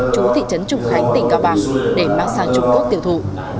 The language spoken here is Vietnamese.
chú thị trấn trùng khánh tỉnh cao bằng để mát sang trung quốc tiểu thụ